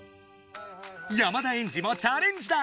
山田エンジもチャレンジだ！